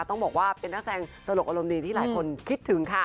ต้องบอกว่าเป็นนักแสดงตลกอารมณ์ดีที่หลายคนคิดถึงค่ะ